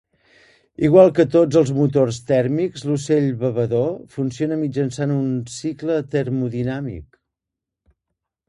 Igual que tots els motors tèrmics, l'ocell bevedor funciona mitjançant un cicle termodinàmic.